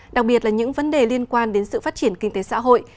đặc biệt là những vấn đề liên quan đến sự phát triển kinh tế xã hội